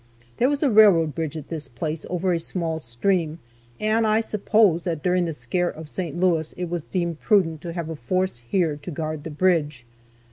There was a railroad bridge at this place, over a small stream, and I suppose that during the scare at St. Louis it was deemed prudent to have a force here to guard the bridge.